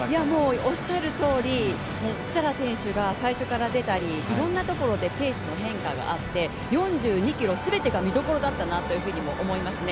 おっしゃるとおり、設楽選手が最初から出たり、いろいろなところでペースの変化があって４２ｋｍ全てが見どころだったなというふうにも思いますね。